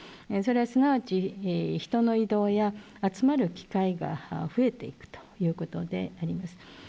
それはすなわち、人の移動や、集まる機会が増えていくということであります。